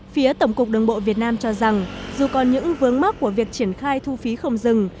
phía tổng cục đường bộ việt nam cho rằng dù còn những vướng mắt của việc triển khai thu phí không dừng